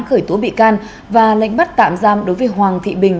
khởi tố bị can và lệnh bắt tạm giam đối với hoàng thị bình